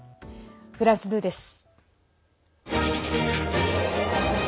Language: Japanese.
フランス２です。